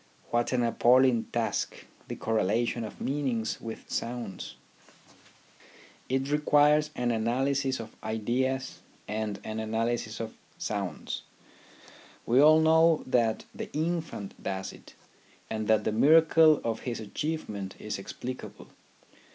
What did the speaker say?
What an appal ling task, the correlation of meanings with sounds ! It requires an analysis of ideas and an analysis THE RHYTHM OF EDUCATION 7 of sounds. We all know that the infant does it, and that the miracle of his achievement is explic able.